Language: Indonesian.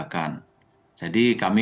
jadi kami masih berterima kasih